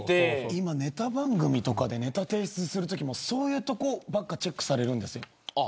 今、ネタ番組とかでネタを提出するときもそういうところばかりチェックされるんです。